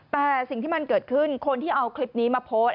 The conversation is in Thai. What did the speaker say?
แต่สิ่งที่มันเกิดขึ้นคนที่เอาคลิปนี้มาโพสต์